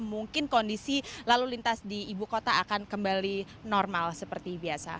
mungkin kondisi lalu lintas di ibu kota akan kembali normal seperti biasa